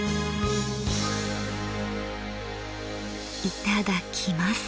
いただきます。